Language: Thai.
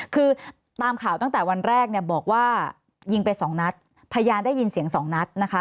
คือตามข่าวตั้งแต่วันแรกบอกว่ายิงไป๒นัดพยายามได้ยินเสียง๒นัดนะคะ